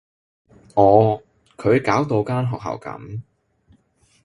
哦，佢搞到間學校噉